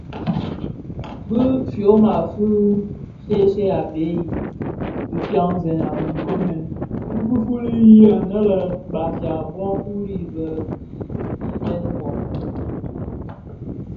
Bi fyoma fi shye shye a bhee i dhifyanzèn a be nkoomèn i ti fuli yi nnë Bafia bō fuyi, bo dhi beyen ooo?